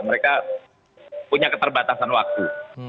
mereka punya keterbatasan waktu